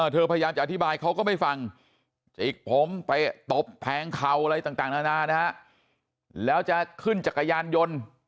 พยายามจะอธิบายเขาก็ไม่ฟังอีกผมไปตบแพงเข่าอะไรต่างนานานะฮะแล้วจะขึ้นจักรยานยนต์